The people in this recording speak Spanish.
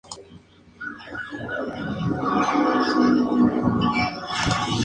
Las circunstancias parecían propicias para que se redujeran a dos.